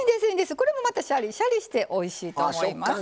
これもまたシャリシャリしておいしいと思います。